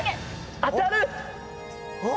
当たる！